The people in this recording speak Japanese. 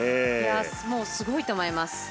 すごいと思います。